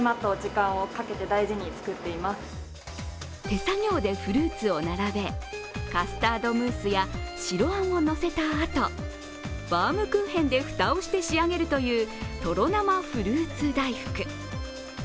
手作業でフルーツを並べカスタードムースや白あんをのせたあと、バウムクーヘンで蓋をして仕上げるというとろなまフルーツ大福。